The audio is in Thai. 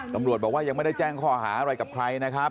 ตำรวจบอกว่ายังไม่ได้แจ้งข้อหาอะไรกับใครนะครับ